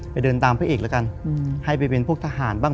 เดินตามพระเอกแล้วกันให้ไปเป็นพวกทหารบ้าง